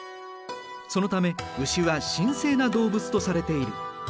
そのため牛は神聖な動物とされている。